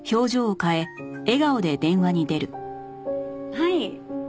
はい。